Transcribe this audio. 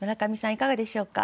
いかがでしょうか？